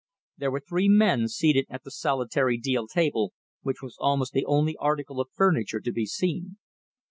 There were three men seated at the solitary deal table, which was almost the only article of furniture to be seen.